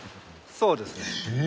そうですね。